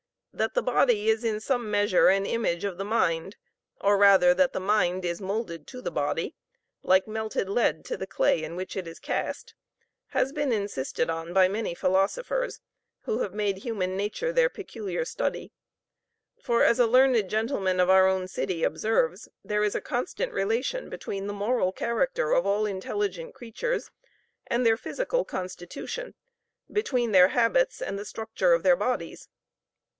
That the body is in some measure an image of the mind, or rather that the mind is moulded to the body, like melted lead to the clay in which it is cast, has been insisted on by many philosophers, who have made human nature their peculiar study; for, as a learned gentleman of our own city observes, "there is a constant relation between the moral character of all intelligent creatures, and their physical constitution between their habits and the structure of their bodies."